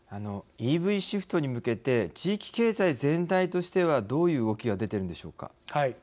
ＥＶシフトに向けて地域経済全体としてはどういう動きが出ているんでしょうか。